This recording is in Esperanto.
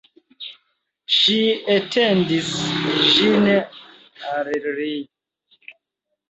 Ŝi etendis ĝin al li.